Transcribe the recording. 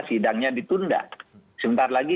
sidangnya ditunda sebentar lagi